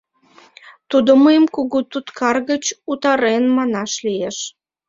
Тудо мыйым кугу туткар гыч утарен, манаш лиеш.